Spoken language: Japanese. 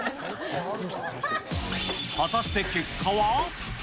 果たして結果は？